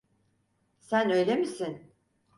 Sen öyle misin?